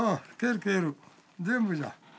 全部じゃ。